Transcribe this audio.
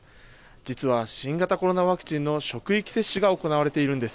実は新型コロナワクチンの職域接種が行われているんです。